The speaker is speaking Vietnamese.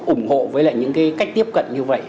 ủng hộ với lại những cái cách tiếp cận như vậy